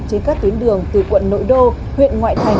trên các tuyến đường từ quận nội đô huyện ngoại thành